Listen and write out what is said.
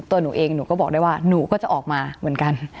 ตัวหนูเองหนูก็บอกได้ว่าหนูก็จะออกมาเหมือนกัน